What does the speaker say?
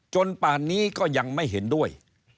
ป่านนี้ก็ยังไม่เห็นด้วย